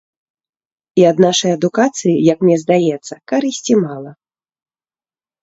І ад нашай адукацыі, як мне здаецца, карысці мала.